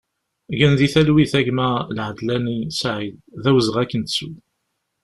Gen di talwit a gma Laadlani Saïd, d awezɣi ad k-nettu!